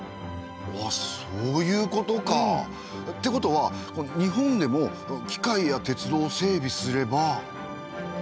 うわそういうことか。ってことは日本でも機械や鉄道を整備すれば。